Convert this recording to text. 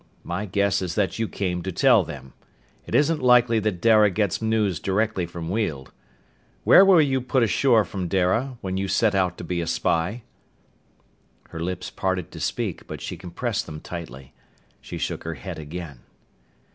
My guess is that you came to tell them. It isn't likely that Dara gets news directly from Weald. Where were you put ashore from Dara, when you set out to be a spy?" Her lips parted to speak, but she compressed them tightly. She shook her head again.